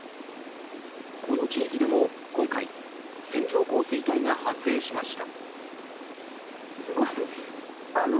この地域でも今回線状降水帯が発生しました。